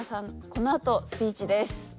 このあとスピーチです。